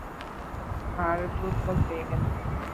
হাড় দুর্বল হয়ে গেল।